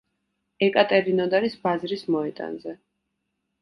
ეკატერინოდარის ბაზრის მოედანზე.